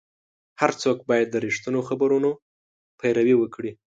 هر څوک باید د رښتینو خبرونو پیروي وکړي.